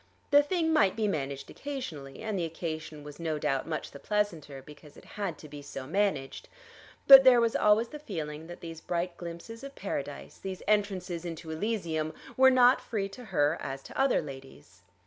The thing might be managed occasionally, and the occasion was no doubt much the pleasanter because it had to be so managed, but there was always the feeling that these bright glimpses of Paradise, these entrances into Elysium, were not free to her as to other ladies.